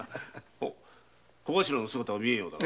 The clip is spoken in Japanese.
小頭の姿は見えないが？